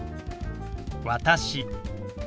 「私」。